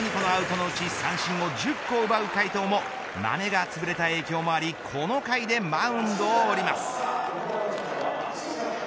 ４回を投げ１２個のアウトのうち３振を１０個も奪う快投もまめがつぶれた影響もありこの回でマウンドを降ります。